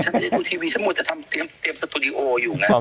ฉันไม่ได้ดูทีวีฉันหมดจะเตรียมสตูดิโออยู่ไง